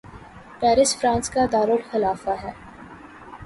Paris France کا دارلخلافہ ہے